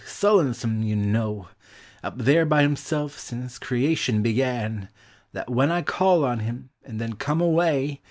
Sullonesome, you know! Up there by himself since creation began!— That when I call on him and then come away.